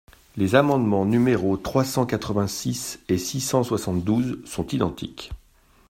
Les amendements numéros trois cent quatre-vingt-six et six cent soixante-douze sont identiques.